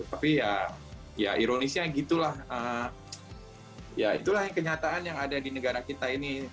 tapi ya ironisnya gitu lah ya itulah kenyataan yang ada di negara kita ini